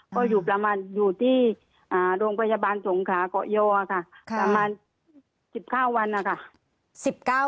ก็อยู่ประมาณอยู่ที่โรงพยาบาลสงขาเกาะยอค่ะประมาณ๑๙วันนะคะ